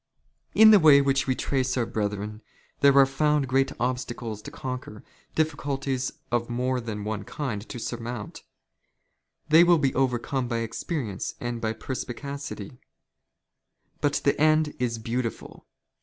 "In the way which we trace for our brethren there are "found great obstacles to conquer, difficulties of more than one " kind to surmount. They will be overcome by experience and " by perspicacity ; but the end is beautiful.